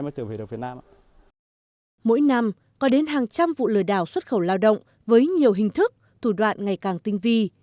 mỗi năm có đến hàng trăm vụ lừa đảo xuất khẩu lao động với nhiều hình thức thủ đoạn ngày càng tinh vi